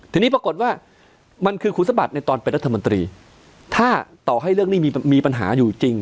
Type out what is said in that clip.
ทีนี้ปรากฏว่ามันคือคุณสมบัติในตอนเป็นรัฐมนตรีถ้าต่อให้เรื่องนี้มีปัญหาอยู่จริง